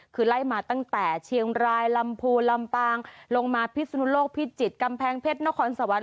คือไล่มาตั้งแต่เชียงรายลำพูนลำปางลงมาพิศนุโลกพิจิตรกำแพงเพชรนครสวรรค